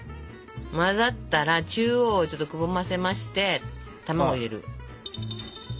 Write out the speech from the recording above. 混ざったら中央をちょっとくぼませまして卵を入れる。